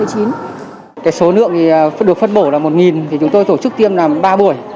cái số lượng được phân bổ là một thì chúng tôi tổ chức tiêm là ba buổi